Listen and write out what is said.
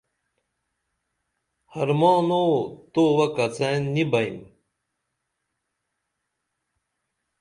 حرمانو تووہ کڅین نی بئیم